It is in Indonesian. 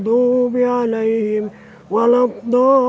assalamualaikum warahmatullahi wabarakatuh